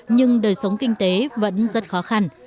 nhưng đời sống kinh tế vẫn rất khó khăn